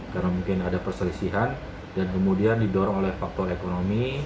karena mungkin ada perselisihan dan kemudian didorong oleh faktor ekonomi